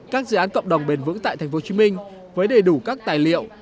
các dự án cộng đồng bền vững tại tp hcm với đầy đủ các tài liệu